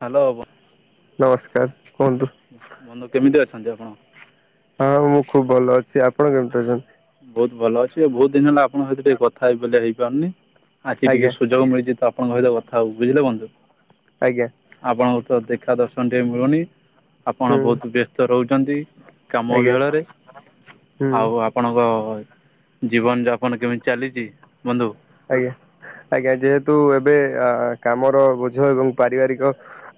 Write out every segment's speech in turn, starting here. Hello, ନମସ୍କାର କୁହନ୍ତୁ ବନ୍ଧୁ କେମିତି ଅଛନ୍ତି ଆପଣ? ହଁ, ମୁଁ ଖୁବ ଭଲ ଅଛି। ଆପଣ କେମିତି ଅଛନ୍ତି? ବହୁତ ଭଲ ଅଛି। ବହୁତ ଦିନ ହେଲା ଆପଣଙ୍କ ସହିତ ଟିକେ କଥା ହେଇବି ବୋଲି ହେଇପାରୁନି? ଆଖି ଟିକେ ଆଜ୍ଞା ସୁଯୋଗ ମିଳିଛି। ତ ଆପଣଙ୍କ ସହିତ କଥା ହବାକୁ, ବୁଝିଲେ ବନ୍ଧୁ। ଆଜ୍ଞା। ଆପଣଙ୍କୁ ତ ଦେଖା ଦର୍ଶନ ଟେ ମିଳୁନି। ଆପଣ ହୁଁ ବହୁତ ବ୍ୟସ୍ତ ରହୁଛନ୍ତି। କାମ ଆଜ୍ଞା ବିହଳରେ ହୁଁ ଆଉ ଆପଣଙ୍କ ଜୀବନଯାପନ କେମିତି ଚାଲିଚି ବନ୍ଧୁ? ଆଜ୍ଞା, ଆଜ୍ଞା ଯେହେତୁ, ଏବେ ଆ କାମର ବୋଝ ଏବଂ ପାରିବାରିକ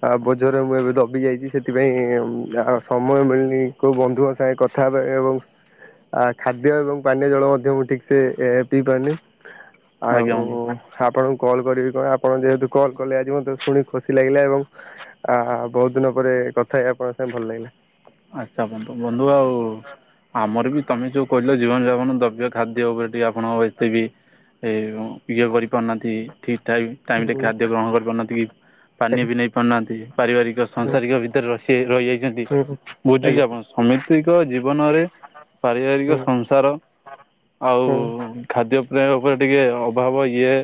ଆ ବୋଝରେ ମୁଁ ଏବେ ଦବି ଯାଇଛି। ସେଥିପାଇଁ ଆ ସମୟ ମିଳିନି କ ବନ୍ଧୁଙ୍କ ସାଙ୍ଗ କଥ ଥା ହେବେ ଏବଂ ଖାଦ୍ୟ ଏବଂ ପାନୀୟ ଜଳ ମଧ୍ୟ ମୁଁ ଠିକ୍ସେ ପିଇପାରୁନି, ଆଜ୍ଞା ଆଉ-ଉ ବନ୍ଧୁ। ଆପଣଙ୍କୁ କଲ୍ କରିବି କଣ, ଆପଣ ଯେହେତୁ କଲ୍ କଲେ ଆଜି ମତେ ଶୁଣି ଖୁସି ଲାଗିଲା ଏବଂ ଆ, ବହୁତ ଦିନ ପରେ କଥା ହେଇ ଆପଣଙ୍କ ସାଙ୍ଗେ ଭଲ ଲାଗିଲା। ଆଚ୍ଛା, ବନ୍ଧୁ ଆଉ ଆମର ବି ତମେ ଯୋଉ କହିଲ ଜୀବନ ଯାପନ ଦ୍ରବ୍ୟ ଖାଦ୍ୟ ଉପରେ ଆପଣ ଏତେ ବି ଏ ଇଏ କରି ପାରୁନାହାନ୍ତି। ଠିକ୍ ଟାଇମ୍ ମ ରେ ଖାଦ୍ୟ ଗ୍ରହଣ କରିପାରୁନାହାନ୍ତି, କି ପାନୀୟ ହୁଁ ବି ନେଇ ପାରୁନାହାଁନ୍ତି ପାରିବାରିକ ହୁଁ ସଂସାରିକ ଭିତରେ ସେ ରହିଯାଇଛନ୍ତି। ହୁଁ ହୁଁ ବୁଝୁଛି ଆଜ୍ଞା ଆପଣ ସମିତିକ ଜୀବନରେ ହୁଁ ପାରିବାରିକ ସଂସାର ହୁଁ ଆଉ-ଉ ଖାଦ୍ୟ ପ୍ରେୟ ଉପରେ ଟିକେ ଅଭାବ ଇଏ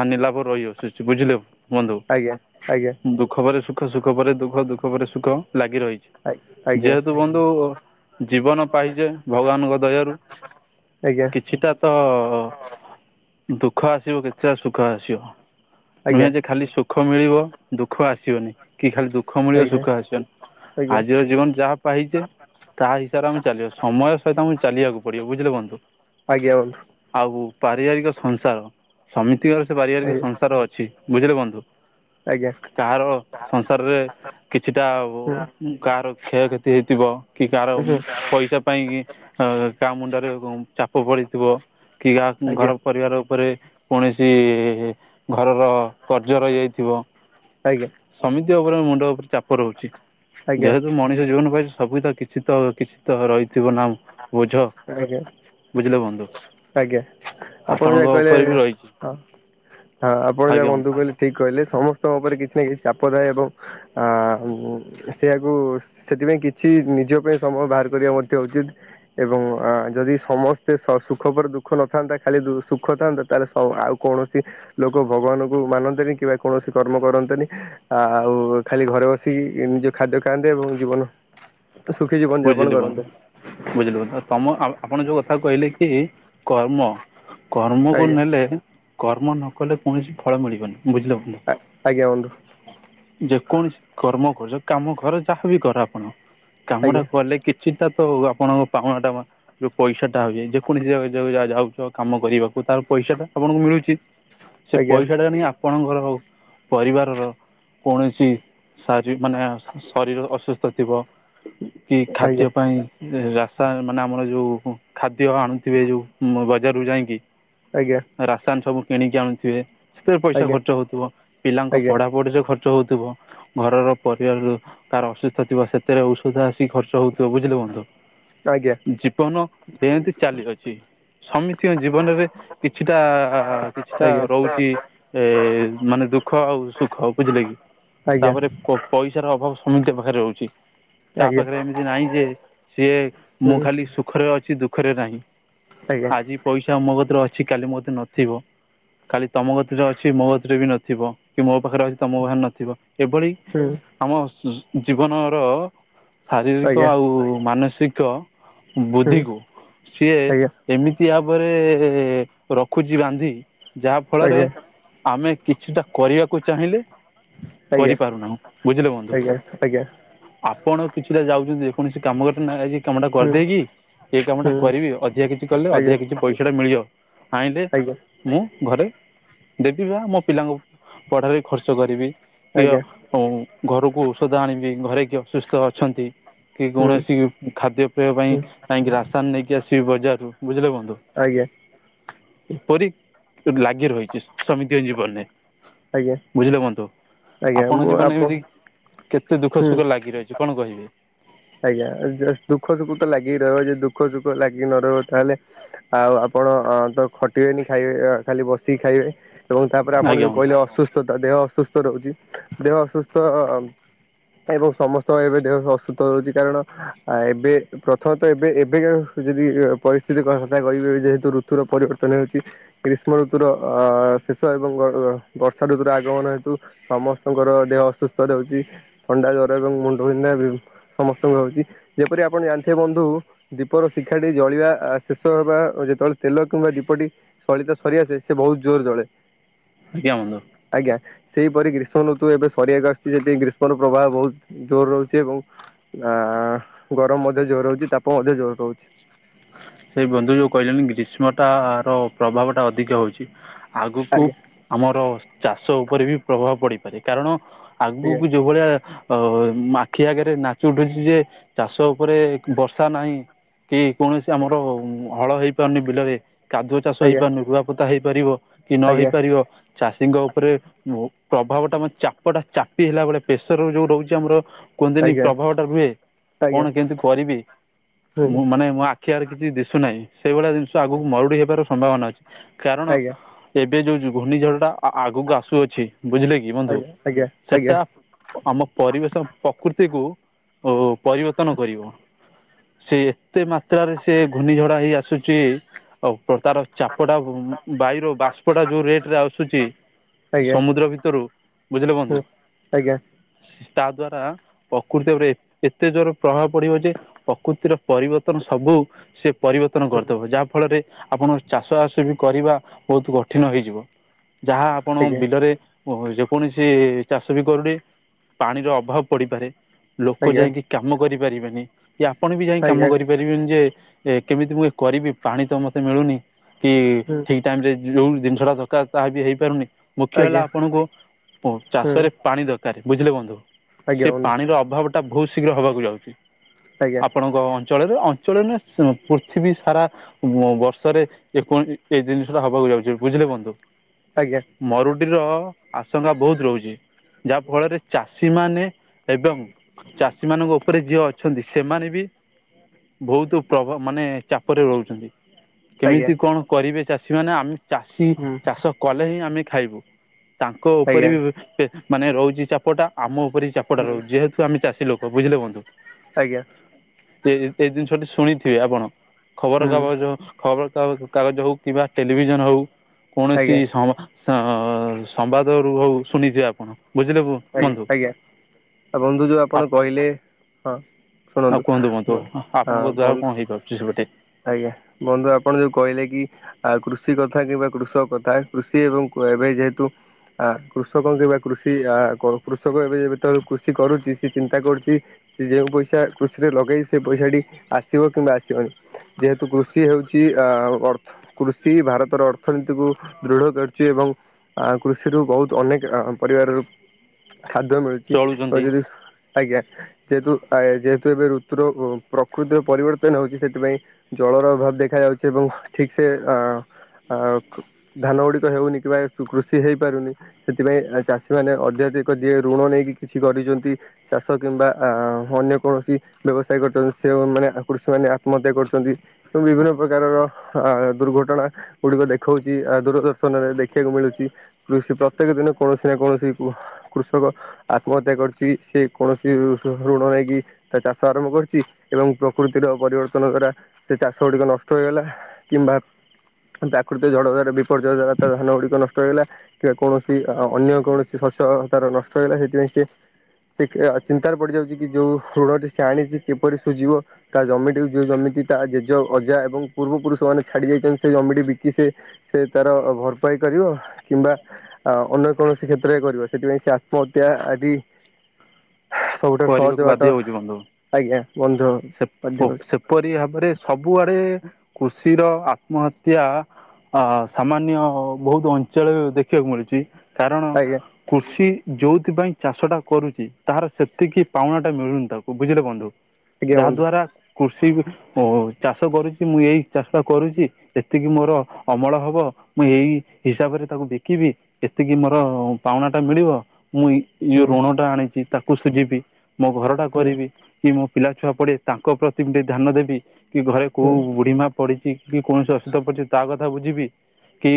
ହାନି ଲାଭ ରହି ଆସୁଚି ବୁଝିଲୁ ବନ୍ଧୁ। ଆଜ୍ଞା ଆଜ୍ଞା। ଦୁଃଖ ପରେ ସୁଖ ସୁଖ ପରେ ଦୁଃଖ ଦୁଃଖ ପରେ ସୁଖ ଲାଗି ରହିଚି। ଆଇ ଯେହେତୁ ବନ୍ଧୁ ଜୀବନ ପାଇଚେ ଭଗବାନଙ୍କ ଦୟାରୁ ଆଜ୍ଞା କିଛିଟା ତ ଦୁଃଖ ଆସିବ କିଛିଟା ସୁଖ ଆସିବ ଆଜ୍ଞା ନୁହେଁ ଯେ ଖାଲି ସୁଖ ମିଳିବ ଦୁଃଖ ଆସିବନି କି ଖାଲି ଦୁ ଖ ମିଳିବ ଆଜ୍ଞା ସୁଖ ଆସିଅନି ଆଜ୍ଞା ଆଜିର ଜୀବନ ଯାହା ପାଇଚେ ତାହା ହିସାବରେ ଆମେ ଚାଲିବା ସମୟ ସହିତ ଆମକୁ ଚାଲିବାକୁ ପଡିବ ବୁଝିଲେ ବନ୍ଧୁ। ଆଜ୍ଞା ବନ୍ଧୁ। ଆଉ ପାରିବାରିକ ସଂସାର ସମିତିଙ୍କର ସେ ପାରିବାରିକ ଆଜ୍ଞା ସଂସାର ଅଛି ବୁଝିଲେ ବନ୍ଧୁ। ଆଜ୍ଞା କାହାର ସଂସାରରେ କିଛିଟା ବୋ ହୁଁ ଉଁ କାହାର କ୍ଷୟକ୍ଷତି ହେଇଥିବ କି କାହାର ହୁଁ ମ୍ ପଇସା ପାଇଁକି ଅଁ କା ମୁୁଣ୍ଡରେ ଗଁ ଚାପ ପଡିଥିବ କି କା ଆଜ୍ଞା ଘର ଆଜ୍ଞା ପରିବାର ଉପରେ କୌଣସି ଘରର କର୍ଜ ରହିଯାଇଥିବ ସମିତିକ ଉପରେ ମୁଣ୍ଡ ଉପରେ ଚାପ ରହୁଚି। ଆଜ୍ଞା। ଯୋଉ ମଣିଷ ଜୀବନ ପାଇଚୁ ସବୁ ତ କିଛି ତ କିଛି ତ ରହିଥିବ ନା ବୋଝ ଆଜ୍ଞା ବୁଝିଲ ବନ୍ଧୁ। ଆଜ୍ଞା ଆପଣ ଆପଣଙ୍କ ଯାହା କହିଲେ ଉପରେ ବି ହଁ ରହିଛି ହଁ ଆପଣ ଯାହା ବନ୍ଧୁ କହିଲେ ଠିକ କହିଲେ ସମସ୍ତଙ୍କ ଉପରେ କିଛି ନା କିଛି ଚାପ ଥାଏ ଏବଂ ଆ ମଁ ସେୟକୁ ସେଥିପାଇଁ କିଛି ନିଜ ପାଇଁ ସମୟ ବାହାର କରିବା ମଧ୍ୟ ଉଚିତ୍। ଏବଂ ଯଦି ସମସ୍ତେ ସ ସୁଖ ପରେ ଦୁଃଖ ନଥାନ୍ତା ଖାଲି ଦୁ ସୁଖ ଥାନ୍ତା ତାହେଲେ ସ ଆଉ କୌଣସି ଲୋକ ଭଗବାନଙ୍କୁ ମାନନ୍ତିନି କିମ୍ବା କୌଣସି କର୍ମ କରନ୍ତେନି ଆଉ ଖାଲି ଘରେ ବସିକି ନିଜ ଖାଦ୍ୟ ଖାଆନ୍ତେ ଏବଂ ଜୀବନ ତ ସୁଖି ଜୀବନ ଜାପାନ କରନ୍ତେ। ବୁଝିଲୁ ତ ତମ ଆ ଆପଣ ଯୋଉ କଥା କହିଲେ କି କର୍ମ କର୍ମକୁ ଆଜ୍ଞା ନେଲେ କର୍ମ ନ କଲେ କୌଣସି ଫଳ ମିଳିବନି। ବୁଝିଲ ବନ୍ଧୁ। ଆଜ୍ଞା ବନ୍ଧୁ ଯେକୌଣସି କର୍ମ କରୁଚ କାମ କର ଯାହାବି କର ଆପଣ କାମଟା ଆଜ୍ଞା କଲେ କିଛିଟା ତ ଆପଣଙ୍କ ପାଉଣା ଟା ମା ଯୋଉ ପଇସା ଟା ଆଉଚି ଯେକୌଣସି ଜୋ ଜୋ ଜା ଯାଉଚ କାମ କରିବାକୁ ତାର ପଇସା ଟା ଆପଣଙ୍କୁ ମିଳୁଚି ସେ ଆଜ୍ଞା ପଇସା ଟା ନେଇ ଆପଣଙ୍କର ପରିବାରର କୌଣସି ଶାରୀ ମାନେ ଶ ଶରୀର ଅସୁସ୍ଥ ଥିବ କି ଆଜ୍ଞା ଖାଦ୍ୟ ପାଇଁ ରାସା ମାନେ ଆମର ଯୋଉ ଖାଦ୍ୟ ଆଣୁଥିବେ ଯୋଉ ମୋବାଇଲ ଜାରକୁ ଯାଇଁକି ଆଜ୍ଞା। ରାସାନ ସବୁ କିଣିକି ଆଣୁଥିବେ ସେଥିରେ ପଇସା ଆଜ୍ଞା ଖର୍ଚ୍ଚ ହଉଥିବ ପିଲାଙ୍କ ଆଜ୍ଞା ପଢାପଢିରେ ଖର୍ଚ୍ଚ ଚ ହଉଥିବ ଘରର ପରିବାରର କାହାର ଅସୁସ୍ଥ ଥିବ ସେଥିରେ ଔଷଧ ଆସ କି ଖର୍ଚ୍ଚ ହଉଥିବ ବୁଝିଲେ ବନ୍ଧୁ ଆଜ୍ଞା ଜୀବନ ଏମିତି ଚାଲିଅଛି। ସମିତିଙ୍କ ଜୀବନରେ କିଛିଟା କିଛିଟା ଆଜ୍ଞା ରହୁଚି ଏ ମାନେ ଦୁଃଖ ଆଉ ସୁଖ ବୁଝିଲେ କି? ଆଜ୍ଞା। ଓ ପଇସାର ଅଭାବ ସମିତିକ ପାଖରେ ରହୁଚି। ତା ଆଜ୍ଞା ପାଖରେ ଏମିତି ନାହିଁ ଯେ ସିଏ ମୁଁ ହୁଁ ଖାଲି ସୁଖରେ ଅଛି ଦୁଃଖରେ ନାହିଁ। ଆଜ୍ଞା ଆଜି ପଇସା ମୋ କତିରେ ଅଛି କାଲି ମୋ କତିରେ ନଥିବ। କାଲି ତମ କତିରେ ରେ ଅଛି ମୋ କତିରେ ବି ନଥିବ କି ମୋ ପାଖରେ ଅ ତମ ପାଖରେ ନଥିବ ଏଭଳି ହୁଁ ତମ ଶ ଜୀବନର ଶାରୀରିକ ଆଜ୍ଞା ଆଉ ମାନସିକ ହୁଁ ବୁଦ୍ଧିକୁୁ ସିଏ ଆଜ୍ଞା ଏମିତି ଆବରେ ରଖୁଛି ବାନ୍ଧି ଯାହା ଫଳରେ ଆଜ୍ଞା ଆମେ କିଛିଟା କରିବାକୁ ଚାହିଁଲେ। ଆଜ୍ଞା କରିପାରୁନାହୁଁ ଆଜ୍ଞା ଆଜ୍ଞା। କଣ କିଛିଟା ଯାଉଛନ୍ତି। କୌଣସି କାମ କରୁଥିନୀ ନା ଆଜି କାମଟା ହୁଁ କରିଦେଇକି ଏଇ କାମଟା ହୁଁ କରିବି ଅଧିକା କିଛି କଲେ ଆଜ୍ଞା ଅଧିକା କିଛି। ପଇସାଟା ମିଳିବ ଚାହିଁଲେ। ଆଜ୍ଞା ମୁଁ ଘରେ ଦେବି ବା ମୋ ପିଲାଙ୍କ ପଢାରେ ଖର୍ଚ୍ଚ କରିବି କି ଅ। ଆଜ୍ଞା ଅଉଁ ଘରକୁ ଔଷଧ ଆଣିବି ଘରେ କିଏ ଅସୁସ୍ଥ ଅଛନ୍ତି। କି ହୁଁ କୌଣସି ଖାଦ୍ୟ ପେୟ ପାଇଁ ହୁଁ ଯାଇଁକି ରାସନ ନେଇକି ଆସିବି ବଜାରରୁୁ ବୁଝିଲେ ବନ୍ଧୁ। ଆଜ୍ଞା। ଏପରି ଲାଗି ରହିଛି ସମସ୍ତିଙ୍କ ଜୀବନରେ। ଆଜ୍ଞା ବୁଝିିଲେ ବନ୍ଧୁ ଆଜ୍ଞା ଆପଣ ମୁଁ ଜୀବନ ଏମିତି କେତେ ଦୁଃଖ ହୁଁ ସୁଖ ଲାଗି ରହି ଚି କଣ କହିବେ? ଆଜ୍ଞା ଦ ଦୁଃଖ ସୁଖ ତ ଲାଗିିକି ରହିବ ଯଦି ଦୁଃଖ ସୁଖ ଲାଗିକି ନ ରହିବ ତାହେଲେ। ଆଉ ଆପଣ ତ ଖଟିବେନି ଖାଇବେ ଅ ଖାଲି ବସିକି ଖାଇବେ। ଏବଂ ତାପରେ ଆପଣ ଆଜ୍ଞା ଯୋଉ ବନ୍ଧୁ କହିଲେ ଅସୁସ୍ଥତା ଦେହ ଅସୁସ୍ଥ ରହୁଛି ଦେହ ଅସୁସ୍ଥ। ଏବଂ ସମସ୍ତଙ୍କ ଏବେ ଦେହ ଅସୁସ୍ଥ ରହୁଛି କାରଣ ଆ ଏବେ। ପ୍ରଥମତଃ ଏବେ ଏବେ କା ଯଦି ପରିସ୍ଥିତି କଥା କହିବି ଏବେ ଯେହେତୁ ଋତୁର ପରିବର୍ତ୍ତନ ହେଉଛି। ଗ୍ରୀଷ୍ମ ଋତୁର ଅ ଶେଷ ଏବଂ ଅ ବର୍ଷା ଋତୁର ଆଗମନ ହେତୁ। ସମସ୍ତଙ୍କର ଦେହ ଅସୁସ୍ଥ ରହୁଛି ଥଣ୍ଡା, ଜ୍ଵର ଏବଂ ମୁଣ୍ଡ ବିିନ୍ଧା ବି। ସମସ୍ତଙ୍କୁ ହଉଛି ଯେପରି ଆପଣ ଜାଣିଥିବେ ବନ୍ଧୁ। ଦୀପର ଶିଖାଟି ଜଳିବା ଆ ଶେଷ ହବା ଅ ଯେତେବେଳେ ତେଲ କିମ୍ବା ଦୀପଟି। ସଳିତା ସରିଆସେ ସେ ବହୁତ ଜୋରେ ଜଳେ। ଆଜ୍ଞା ବନ୍ଧୁ। ଆଜ୍ଞା ସେହିପରି ଗ୍ରୀଷ୍ମ ଋତୁ ଏବେ ସରିିବାକୁ ଆସୁଛି ଯଦି ଗ୍ରୀଷ୍ମର ପ୍ରବାହ ବହୁ ଜୋର ରହୁଛି ଏବଂ ଆ ଗରମ ମଧ୍ୟ ଜୋର ରହୁଛି ତାପ ମଧ୍ୟ ଜୋର ରହୁଛି। ସେଇ ବନ୍ଧୁ ଯୋଉ କହିଲନି ଗ୍ରୀଷ୍ମଟା ର ପ୍ରଭାବ ଟା ଅଧିକା ହଉଛି ଆଗକୁ। ଆଜ୍ଞା ଆମର ଚାଷ ଉପରେ ବି ପ୍ରଭାବ ପଡିପାରେ କାରଣ ଆଗକୁ ଯୋଉ ଭଳିଆ। ଅମ ଆଖି ଆଗରେ ନାଚି ଉଠୁଛି ଯେ ଚାଷ ଉପରେ ବର୍ଷା ନାହିଁ। କି କୌଣସି ଆମର ଉଁ ହଳ ହେଇପାରୁନି ବିଲରେ କାଦୁଅ ଚାଷ ଆଜ୍ଞା ଆଜ୍ଞା ହେଇପାରୁନି ରୁଆପୋତା ହେଇପାରିବ। କି ନ ହେଇ ଆଜ୍ଞା ପାରିବ ଚାଷୀଙ୍କ ଉପରେ। ଓ ପ୍ରଭାବ ଟା ଆମ ଚାପଟା ଚାପି ହେଲା ବେଳେ ପ୍ରେସର ଯୋଉ ରହୁଛି ଆମର। କୁହନ୍ତିନୀ ଆଜ୍ଞା ପ୍ରଭାବଟା ରୁହେ ଆଜ୍ଞା କଣ କେମିତି କରିବି ହୁଁ ମୁଁ ମାନେ ମୁଁ ଆ ଖିଆରେ କିଛି ଦିଶୁନାହିଁ ସେଇଭଳିଆ ଜିନିଷ ଆଗକୁ ମରୁଡ଼ି ହେବାର ସମ୍ଭାବନା ଅଛି କାରଣ। ଆଜ୍ଞା ଏବେ ଯୋଉ ଯୋଉ ଘୂର୍ଣ୍ଣିଝଡ଼ଟା ଆ-ଆଗକୁ ଆସୁଅଛି ବୁଝିଲେ କି ବନ୍ଧୁ ଆଜ୍ଞା ଆଜ୍ଞା ସେଟା। ଆମ ପରିବେଶ ପକୃତିକୁ ଅ ପରିବର୍ତ୍ତନ କରିବ। ସେ ଏତେ ମାତ୍ରାରେ ସେ ଘୂର୍ଣ୍ଣିଝଡା ହେଇ ଆସୁଛି ଆଉ ତ ତାର। ଚାପଟା ବୁଁ ବାୟୁର ବାଷ୍ପଟା ଯୋଉ ରେଟରେ ଆସୁଛି। ଆଜ୍ଞା ଆଜ୍ଞା ସମୁଦ୍ର ଭିତରୁ ବୁଝିଲେ ବନ୍ଧୁ ହୁଁ ଆଜ୍ଞା ହୁଁ ଆଜ୍ଞା ଆଜ୍ଞା ତା ଦ୍ଵାରା। ପ୍ରକୃତି ଉପରେ ଏ-ଏତେ ଜୋର ପ୍ରଭାବ ପଡିବ ଯେ ପ୍ରକୃତିର ପରିବ ତନ ସବୁ ସେ ପରିବର୍ତ୍ତନ ଆଜ୍ଞା କରିଦେବ ଯାହାଫଳରେ। ଆପଣ ଚାଷବାସ ବି କରିବା ବହୁତ କଠିନ ହେଇଯିବ ଯାହା ଆପଣ ବିଲରେ। ଓ ଯେକୌଣସି ଚାଷ ବି କରୁଡି ପାଣିର ଅଭାବ ପଡିପାରେ ଲୋକ ଯାଇକି। କାମ କରିପାରିବେନି କି ଆପଣ ବି ଯାଇ କାମ କରି ପାରିବେନି ଯେ ଏ କେମିତି ମୁଁ କରିବି ପାଣି ତ ମତେ ମିଳୁନି କି ହୁଁ ଠି ଟାଇମ ରେ ଯୋଉ ଜିନିଷ ଟା ଦରକାର ତାହା ବି ହେଇପାରୁନି। ମୁଖ୍ୟ ହେଲା ଆଜ୍ଞା ଆପଣଙ୍କୁ ଉ ହୁଁ ଚାଷରେ ପାଣି ଦରକାରେ ବୁଝିଲେ ବନ୍ଧୁ ଆଜ୍ଞା ସେ ବନ୍ଧୁ ଆଜ୍ଞା ପାଣିର ଅଭାବ। ଟା ବହୁତ ଶୀଘ୍ର ହବାକୁ ଯାଉଛି ଆଜ୍ଞା ଆଜ୍ଞା ହୁଁ ଆଜ୍ଞା ହୁଁ ଆଜ୍ଞା ହୁଁ ଆପଣଙ୍କ ଅ ଅଞ୍ଚଳରେ ଅଞ୍ଚଳ ନୁହେଁ ସ ପୃଥିବୀ ସାରା। ଉଁ ବର୍ଷାରେ ଏ କୌଣ ଏ ଜିନିଷ ଟା ହବାକୁ ଯାଉଛି ବୁଝିଲେ ବନ୍ଧୁ। ଆଜ୍ଞା। ମରୁଡ଼ିର ଆଶଙ୍କା ବହୁତ ରହୁଛି ଯାହା ଫଳରେ ଚାଷୀ ମାନେ ଏବଂ ଚାଷୀମାନଙ୍କ ଉପରେ ଜିଏ ଅଛନ୍ତି ସେମାନେ ବି ବହୁତ ପ୍ରଭ ମାନେ ଚାପରେ ରହୁଛନ୍ତି କେମିତି କଣ କରିବେ ଚାଷୀ ମାନେ ଆମେ ଚାଷୀ ଚାଷ କଲେ ହିଁ ଆମେ ଖାଇବୁ ତାଙ୍କ ଉପରେ ବି ମାନେ ରହୁଛି ଚାପଟା ଆମ ଉପରେ ଚାପଟା ରହୁଛି ଯେହେତୁ ଆମେ ଚାଷୀ ଲୋକ ବୁଝିଲେ ବନ୍ଧୁ ଆଜ୍ଞା ଏଇ ଜିନିଷଟି ଶୁଣିଥିବେ ଆପଣ ଖବର କାଗଜ ଖବର କାଗଜ ହଉ କିମ୍ବା ଟେଲିଭିଜନ ହଉ କୌଣସି ସମ ଅ ସମ୍ବାଦରୁ ହଉ ଶୁଣିଛି ଆପଣ ବୁଝିଲେ ପୁ ଆଜ୍ଞା ଆଜ୍ଞା ଆଉ ବନ୍ଧୁ ଯୋଉ ଆପଣ କହିଲେ ହଁ ଆଉ ଶୁଣନ୍ତୁ। କୁହନ୍ତୁ ବନ୍ଧୁ ଆପଣଙ୍କ ଦ୍ଵାରା ହଁ କଣ ହେଇପାରୁୁଚି ଟେ ଆଜ୍ଞା ବନ୍ଧୁ ଆପଣ ଯୋଉ କହିଲେ କି ଆ କୃଷି କଥା କିମ୍ବା କୃଷକ କଥା କୃଷି ଏବଂ ଏବେ ଯେହେତୁ ଆ କୃଷକ କି ବା କୃଷି ଆ କୃଷକ ଏବେ ଯେବେ ତବେଳେ କୃଷି କରୁଛି ସେ ଚିନ୍ତା କରୁଛି। ସେ ଯେଉଁ ପଇସା କୃଷିରେ ଲଗେଇ ସେ ପଇସାଟି ଆସିବ କିମ୍ବା ଆସିବନି ଯେହେତୁ କୃଷି ହେଉଛି ଅ ଅର୍ଥ କୃଷି ଭାରତର ଅର୍ଥନୀତିକୁ ଦୃଢ କରିଛି ଏବଂ ଆ କୃଷିରୁୁ ବହୁତ ଅନେକ ପରିବାର ର ଖାଦ୍ୟ ମିଳୁଛି ଏବଂ ଚଳୁଛନ୍ତି ଯଦି ଆଜ୍ଞା ଯେହେତୁ ଯେହେତୁ ଏବେ ଋତୁର ପ୍ରକୃତିର ପରିବର୍ତ୍ତନ ହଉଛି ସେଥିପାଇଁ ଜଳର ଅଭାବ ଦେଖାଯାଉଛି ଏବଂ ଠିକ ସେ ଅ ଧାନ ଗୁଡିକ ହେଉନି କିବ୍ବ କୃଷି ହେଇପାରୁନି। ସେଥିପାଇଁ ଚାଷୀ ମାନେ ଅଧଧିକ ଯିଏ ଋଣ ନେଇକି କିଛି କରିଛନ୍ତି। ଚାଷ କିମ୍ବା ଅନ୍ୟ କୌଣସି ଫେ ବ୍ୟବସାୟ କରୁଛନ୍ତି ସେମାନମ ମନେ କୃଷି ମାନେ ଆତ୍ମହତ୍ୟା କରୁଛନ୍ତି। ଛନ୍ତି ଏବଂ ବିଭିନ୍ନ ପ୍ରକାରର ଅ ଦୁର୍ଘଟଣା ଗୁଡିକ ଦେଖଉଛି ଆ ଦୂରଦର୍ଶନ ରେ ଦେଖିବାକୁ ମିଳୁଛି। କୃଷି ପ୍ରତ୍ୟେକ ଦିନ କୌଣସି ନା କୌଣସି କୃଷକ ଆତ୍ମହତ୍ୟା କରିଛି ସେ କୌଣସି ଋଣ ନେଇକି ତା ଚାଷ ଆରମ୍ଭ କରିଛି ଏବଂ ପ୍ରକୃତିର ପରିବର୍ତ୍ତନ ଦ୍ଵାରା ସେ ଚାଷ ଗୁଡିକ ନଷ୍ଟ ହେଇଗଲା କିମ୍ବା ପ୍ରାକୃତିକ ଝଡ଼ ଦ୍ୱାରା ବିପର୍ଯ୍ୟୟ ଦ୍ୱାରା ତା ଧାନ ଗୁଡିକ ନଷ୍ଟ ହେଇଗଲା। କିବା କୌଣସି ଅନ୍ୟ କୌଣସି ଶସ୍ୟ ତାର ନଷ୍ଟ ହେଲା ସେଥିପାଇଁ ସିଏ ଚିନ୍ତାରେ ପଡିଯାଉଛି କି ଯୋଉ ଋଣଟି ସେ ଆଣିଛି କିପରି ସୁଝିବ। ତା ଜମିଟି ଯୋଉ ଜମିତି ତା ଜେଜ ଅଜା ଏବଂ ପୂର୍ବ ପୁରୁଷ ମାନେ ଛାଡି ଯାଇଛନ୍ତି ସେ ଜମିଟି ବିକି ସେ ସେ ତାର ଭରପାଇ କରିବ କିମ୍ବା ଅ ଅନ୍ୟ କୌଣସି କ୍ଷେତ୍ରରେ କରିବା ସେଥିପାଇଁ ସେ ଆତ୍ମହତ୍ୟା ଆଜି କରିବାକୁ ବାଧ୍ୟ ହଉଛି ବନ୍ଧୁ ଆଜ୍ଞା ବନ୍ଧୁ ସେ ବାଧ୍ୟ ହଉଛି ପେସେ ଏପରି ଭାବରେ ସବୁଆଡେ କୃଷିର ଆତ୍ମହତ୍ୟା ଅ ସାମାନ୍ୟ ବହୁତ ଅଞ୍ଚଳ ଦେଖିବାକୁ ମିଳୁଛି। କାରଣ ଆଜ୍ଞା କୃଷି ଯୋଉଥିପାଇଁ ଚାଷଟା କରୁଛି ତାହାର ସେ ଏତିକି ପାଉଣା ଟା ମିଳୁନି ତାକୁ ବୁଝିଲେ ବନ୍ଧୁ ଆଜ୍ଞା ଯାହା ବନ୍ଧୁ ଦ୍ଵାରା କୃଷି ଓଚାଷ କରୁଛି ମୁଁ ଏଇ ଚାଷଟା କରୁଛି। ଏତିକି ମୋର ଅମଳ ହବ ମୁଁ ଏଇ ହିସାବରେ ତାକୁ ବିକିବି। ଏତିକି ମୋର ପାଉଣାଟା ମିଳିବ। ମୁଁ ଇଉ ହୁଁ ଋଣ ଟା ଆଣିଛି ତାକୁ ସୁଝିବି ମୋ ଘର ଟା ହୁଁ କରିବି। କି ମୋ ପିଲା ଛୁଆ ପଢି ତାଙ୍କ ପ୍ରତି ଟିକେ ଧ୍ୟାନ ଦେବି କି ଘରେ କୋଉ ହୁଁ ବୁଢୀମା ପଡିଛି କି କୌଣସି ଅସୁିଧା ପଡ଼ିଛି ତା କଥା ବୁଝିବି। କି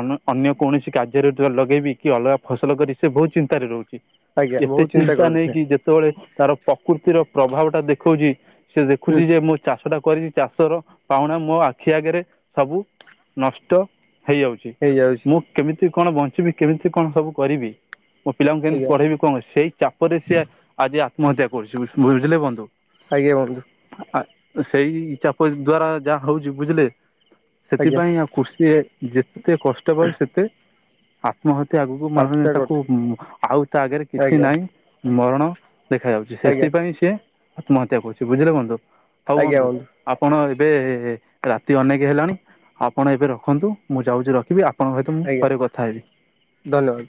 ଅନ୍ୟ କୌଣସି କାର୍ଯ୍ୟରେ ଲଗେଇବି କି ଅଲଗା ଫସଲ କରି ସେ ବହୁତ ଚିନ୍ତାରେ ରହୁଛି। ଆଜ୍ଞା ଏତେ ବହୁ ଚିନ୍ତା କରୁଚି। ନେଇକି ଯେତେବେଳେ ତାର ପ୍ରକୃତିର ପ୍ରଭାବଟା ଦେଖଉଛି ସେ ହୁଁ ଦେଖୁଛି ଯେ ମୁଁ ଚାଷଟା କରିବିଚାଷର ପାହୁଣା ମୋ ଆଖି ଆଗରେ ସବୁ ନଷ୍ଟ ହେଇଯାଉଛି। ହେଇଯାଉଛି ମୁଁ କେମିତି କଣ ବଞ୍ଚିବି କେମିତି କଣ ସବୁ କରିବି? ମୋ ପିଲାଙ୍କୁ କେମିତି ଆଜ୍ଞା ପଢେଇବି କଣ ସେଇ ଚାପ ରେ ସିଏ ଆଜି ଆତ୍ମହତ୍ୟା କରୁଛି ବୁଝିଲେ ବନ୍ଧୁ। ଆଜ୍ଞା ବନ୍ଧୁ। ଆ ସେଇ ଚାପ ଦ୍ଵାରା ଯାହା ହଉଛି ବୁଝିଲେ। ଆଜ୍ଞା ସେଥିପାଇଁ ଆ କୃଷିରେ ଯେତେ କଷ୍ଟ କରୁଛି ସେତେ ଆତ୍ମହତ୍ୟା ଆଗକୁ ମାନୁନେ ଆଠଟା ତାକୁ କରୁଛି ଆଉ ତା ଆଗରେ କିଛି ଆଜ୍ଞା ନାହିଁ। ମରଣ ଦେଖାଯାଉଛି ଆଜ୍ଞା ସେଥିପାଇଁ ସିଏ ଆତ୍ମହତ୍ୟା କରୁଛି ବୁଝିଲେ ବନ୍ଧୁ। ହେଉ ଆଜ୍ଞା ବନ୍ଧୁ ବନ୍ଧୁଆପଣ ଏବେ ରାତି ଅନେକ ହେଲାଣି ଆପଣ ଏବେ ରଖନ୍ତୁ ମୁଁ ଯାଉଛି ରଖିବି ଆପଣଙ୍କ ସହିତ ମୁଁ ଆଜ୍ଞା ପରେ କଥା ହେବି। ଧନ୍ୟବାଦ।